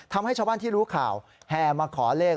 ทำให้ชาวบ้านที่รู้ข่าวแห่มาขอเลข